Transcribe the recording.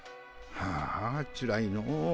はあつらいの。